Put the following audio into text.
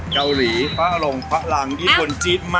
เกาหลีฟาอลงฝาหลั่งญี่ปุ่นจี๊ด